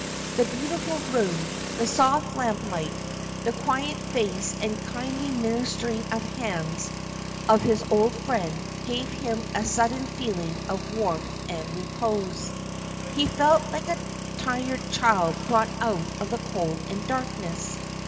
The beautiful room, the soft lamplight, the quiet face and kindly ministering hands of his old friend, gave him a sudden feeling of warmth and repose. He felt like a tired child brought out of the cold and darkness.